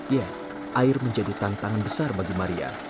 ya air menjadi tantangan besar bagi maria